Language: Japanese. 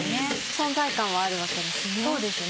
存在感はあるわけですね。